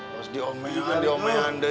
harus diomehanda diomehanda